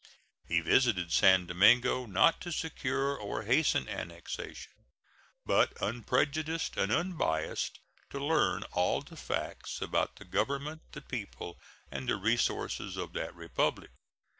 He visited San Domingo, not to secure or hasten annexation, but, unprejudiced and unbiased, to learn all the facts about the Government, the people, and the resources of that Republic.